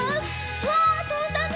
うわっとんだね！